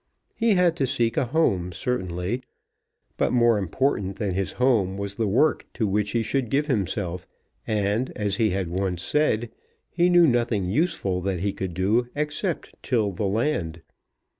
He had to seek a home certainly, but more important than his home was the work to which he should give himself; and, as he had once said, he knew nothing useful that he could do except till the land.